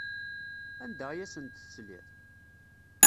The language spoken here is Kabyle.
Anda ay asent-tesliḍ?